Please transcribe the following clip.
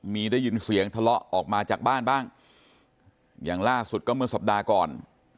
มีได้ยินเสียงทะเลาะออกมาจากบ้านบ้างอย่างล่าสุดก็เมื่อสัปดาห์ก่อน